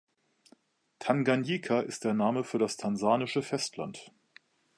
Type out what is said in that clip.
Tanganjika ist der Name für das tansanische Festland.